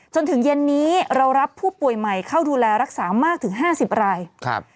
จนถึงเย็นนี้เรารับผู้ป่วยใหม่เข้าดูแลรักษามากถึงห้าสิบรายครับ